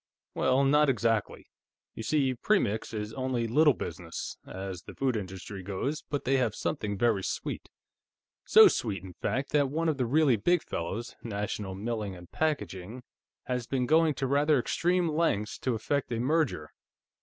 "Well, not exactly. You see, Premix is only Little Business, as the foods industry goes, but they have something very sweet. So sweet, in fact, that one of the really big fellows, National Milling & Packaging, has been going to rather extreme lengths to effect a merger.